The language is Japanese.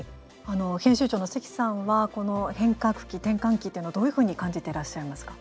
編集長の関さんはこの変革期、転換期というのはどういうふうに感じてらっしゃいますか。